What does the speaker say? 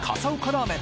ラーメン